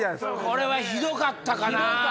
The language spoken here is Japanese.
これはひどかったかな。